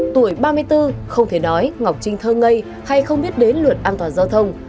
tuổi ba mươi bốn không thể nói ngọc trinh thơ ngây hay không biết đến luật an toàn giao thông